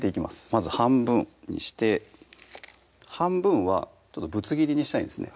まず半分にして半分はぶつ切りにしたいんですね